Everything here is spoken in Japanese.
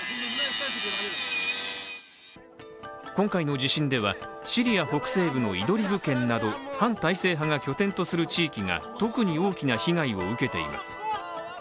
今回の地震ではシリア北西部のイドリブ県など反体制派が拠点とする地域が特に大きな被害を受けています。